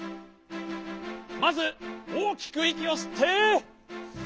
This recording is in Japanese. まずおおきくいきをすって。